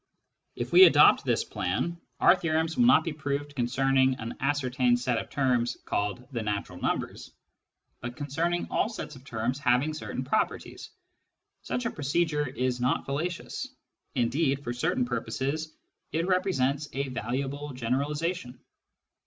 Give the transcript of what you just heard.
If we adopt this plan, our theorems will not be proved concerning an ascer tained set of terms called " the natural numbers," but concerning all sets of terms having certain properties. Such a procedure is not fallacious ; indeed for certain purposes it represents a valuable generalisation.